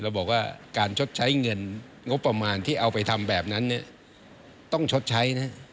บอกว่าการชดใช้เงินงบประมาณที่เอาไปทำแบบนั้นเนี่ยต้องชดใช้นะ